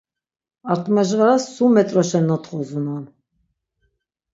Artimajvaras sum met̆roşen notxozunan.